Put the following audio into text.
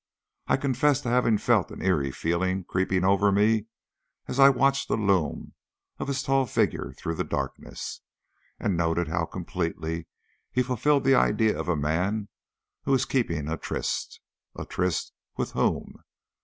I confess to having felt an eerie feeling creeping over me as I watched the loom of his tall figure through the darkness, and noted how completely he fulfilled the idea of a man who is keeping a tryst. A tryst with whom?